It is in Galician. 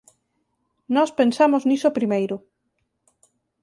Nós pensamos niso primeiro.